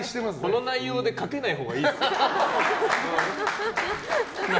この内容でかけないほうがいいですよ。